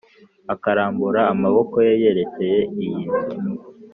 akarambura amaboko ye yerekeye iyi nzu;